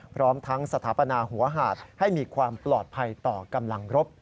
พร้อมทั้งสถาปนาหัวหาดให้มีความปลอดภัยต่อกำลังรบ